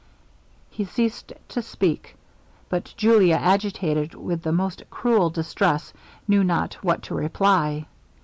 He ceased to speak; but Julia, agitated with the most cruel distress, knew not what to reply.